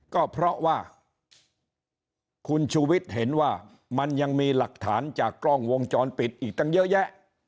ก็เพราะว่าคุณชูวิทย์เห็นว่ามันยังมีหลักฐานจากกล้องวงจรปิดอีกตั้งเยอะแยะ